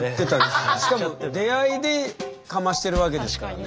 しかも出会いでかましてるわけですからね。